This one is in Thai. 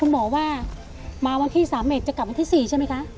แรกเริ่มจะกลับวันที่สามเมษจะกลับวันที่สี่ใช่ไหมคะ